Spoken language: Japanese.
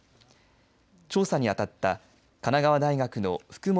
調査に当たった神奈川大学の復本